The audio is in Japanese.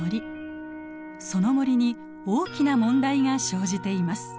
その森に大きな問題が生じています。